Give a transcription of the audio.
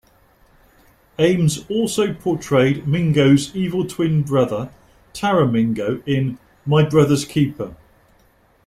Ames also portrayed Mingo's evil twin brother, Taramingo, in "My Brother's Keeper".